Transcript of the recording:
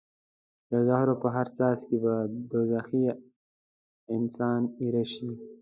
د زهرو په هر څاڅکي به دوزخي انسان ایره شي.